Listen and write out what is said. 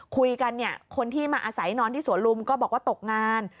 คุยกันเนี่ยคนที่มาอาศัยนอนที่สวนลุมก็บอกว่าตกงาน